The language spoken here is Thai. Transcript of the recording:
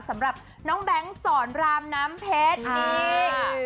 สำหรับน้องแบงค์สอนรามน้ำเพชรนี่